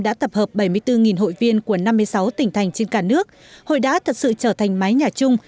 đã tập hợp bảy mươi bốn hội viên của năm mươi sáu tỉnh thành trên cả nước hội đã thật sự trở thành mái nhà chung